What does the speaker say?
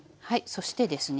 そしてですね